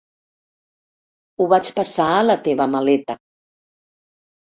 Ho vaig passar a la teva maleta.